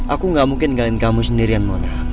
aku gak mungkin ninggalin kamu sendirian mona